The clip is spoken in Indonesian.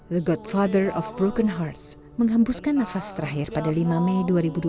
legot father of broken hearts menghembuskan nafas terakhir pada lima mei dua ribu dua puluh